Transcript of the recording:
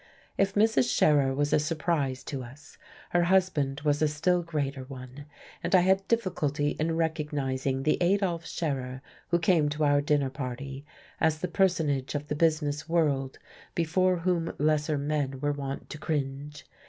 If Mrs. Scherer was a surprise to us, her husband was a still greater one; and I had difficulty in recognizing the Adolf Scherer who came to our dinner party as the personage of the business world before whom lesser men were wont to cringe.